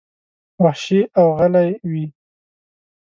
وحشي او غلي وې.